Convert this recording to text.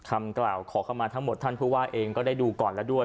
คำกล่าวขอเข้ามาทั้งหมดท่านผู้ว่าเองก็ได้ดูก่อนแล้วด้วย